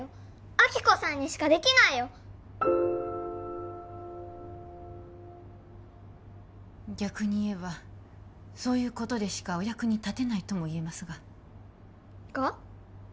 亜希子さんにしかできないよ逆に言えばそういうことでしかお役に立てないとも言えますがが？